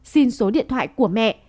xin số điện thoại của mẹ